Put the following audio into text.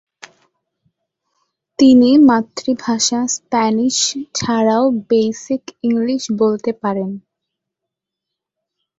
তিনি মাতৃভাষা স্প্যানিশ ছাড়াও বেসিক ইংলিশ বলতে পারেন।